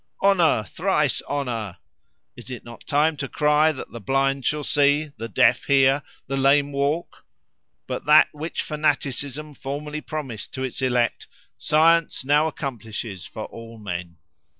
Honour, thrice honour! Is it not time to cry that the blind shall see, the deaf hear, the lame walk? But that which fanaticism formerly promised to its elect, science now accomplishes for all men.